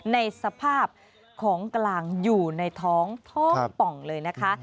ในสภาพของกลางอยู่ในท้องท้องป่องเลยนะคะ